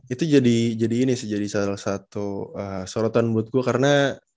itu jadi ini sih jadi salah satu sorotan buat gue karena